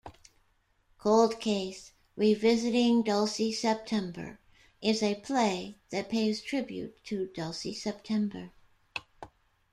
"Cold Case: Revisiting Dulcie September" is a play that pays tribute to Dulcie September.